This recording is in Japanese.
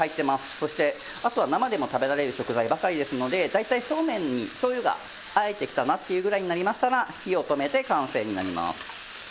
そしてあとは生でも食べられる食材ばかりですので大体そうめんに醤油があえてきたなっていうぐらいになりましたら火を止めて完成になります。